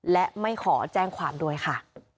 และไม่ขอแจ้งความด้วยค่ะ